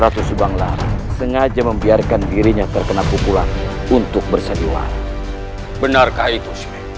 ratus subang larang sengaja membiarkan dirinya terkena pukulan untuk bersedihwan benarkah itu